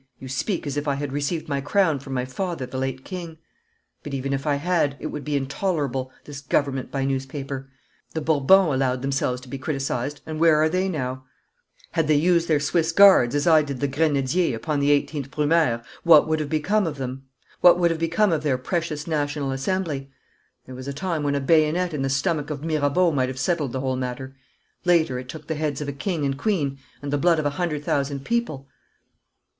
'You speak as if I had received my crown from my father the late king. But even if I had, it would be intolerable, this government by newspaper. The Bourbons allowed themselves to be criticised, and where are they now? Had they used their Swiss Guards as I did the Grenadiers upon the eighteenth Brumaire what would have become of their precious National Assembly? There was a time when a bayonet in the stomach of Mirabeau might have settled the whole matter. Later it took the heads of a king and queen and the blood of a hundred thousand people.'